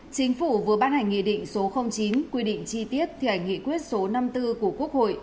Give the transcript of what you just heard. chính phủ vừa ban hành nghị định số chín quy định chi tiết thi hành nghị quyết số năm mươi bốn của quốc hội